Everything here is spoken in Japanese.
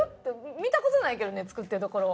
見た事ないけどね作ってるところ料理。